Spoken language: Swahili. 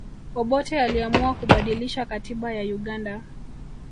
obote aliamua kubadilisha katiba ya uganda